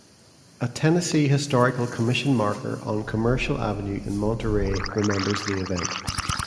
A Tennessee Historical Commission marker on Commercial Avenue in Monterey remembers the event.